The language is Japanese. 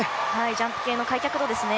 ジャンプ系の開脚度ですね。